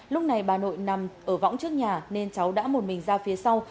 lúc này bà nội nằm ở võng trước nhà nên cháu đã một mình ra phía sau